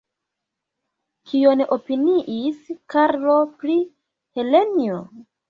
Kion opiniis Karlo pri Helenjo?